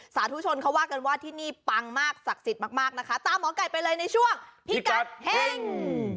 สาธุชนเขาว่ากันว่าที่นี่ปังมากศักดิ์สิทธิ์มากมากนะคะตามหมอไก่ไปเลยในช่วงพิกัดเฮ่ง